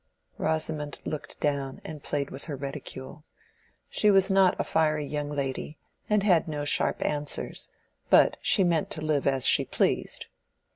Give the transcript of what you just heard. Rosamond looked down and played with her reticule. She was not a fiery young lady and had no sharp answers, but she meant to live as she pleased.